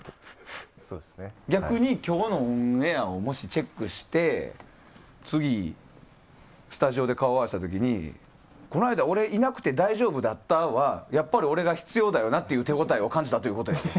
逆に今日のオンエアをチェックして次スタジオで顔合わせた時にこの間俺いなくて大丈夫だった？は俺がいなくて情報をだめだっていう手応えを感じたっていうことや。